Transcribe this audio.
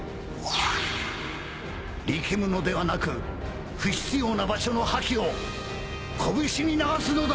力むのではなく不必要な場所の覇気を拳に流すのだ！